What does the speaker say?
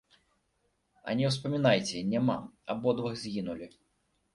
А не ўспамінайце, няма, абодва згінулі.